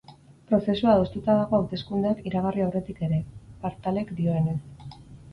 Prozesua adostuta dago hauteskundeak iragarri aurretik ere, Partalek dioenez.